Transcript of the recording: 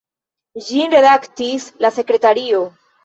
Ĝin redaktis la sekretario.